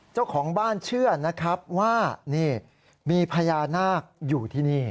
เจ้าของบ้านเชื่อนะครับว่านี่มีพญานาคอยู่ที่นี่